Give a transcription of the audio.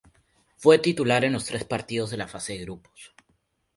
Fue titular en los tres partidos de la fase de grupos.